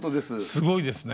すごいですね。